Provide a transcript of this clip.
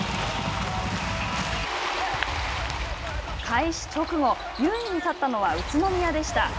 開始直後優位に立ったのは宇都宮でした。